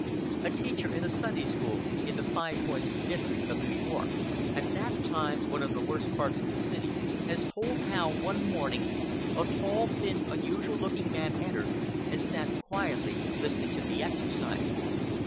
A teacher in a Sunday school in the Five Points district of New York, at that time one of the worst parts of the city, has told how, one morning, a tall, thin, unusual looking man entered and sat quietly listening to the exercises.